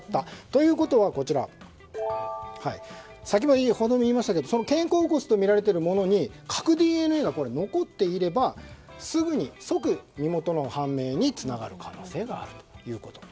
ということは肩甲骨とみられているものに核ＤＮＡが残っていればすぐに即、身元の判明につながる可能性があると。